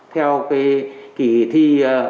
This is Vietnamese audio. theo kỳ thi